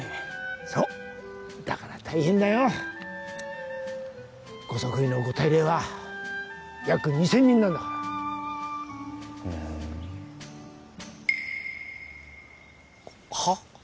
そうだから大変だよご即位のご大礼は約２０００人なんだからふんはッ？